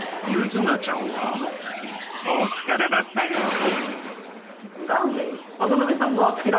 柚南ちゃんは、お疲れだった様子。